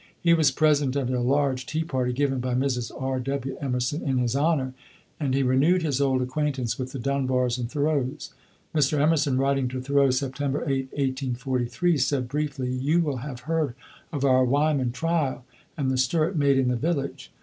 He was present at a large tea party given by Mrs. R. W. Emerson in his honor, and he renewed his old acquaintance with the Dunbars and Thoreaus. Mr. Emerson, writing to Thoreau September 8, 1843, said, briefly, "You will have heard of our 'Wyman Trial,' and the stir it made in the village.